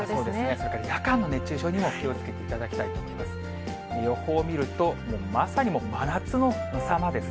それから夜間の熱中症にも気をつけていただきたいと思います。